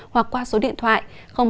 hoặc qua số điện thoại